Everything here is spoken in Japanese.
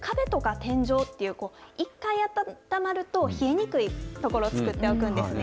天井っていう、一回温まると冷えにくい所を作っておくんですね。